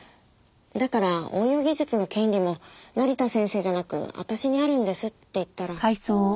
だから応用技術の権利も成田先生じゃなく私にあるんですって言ったら。